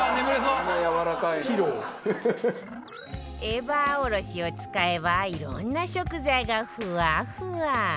エバーおろしを使えばいろんな食材がフワフワ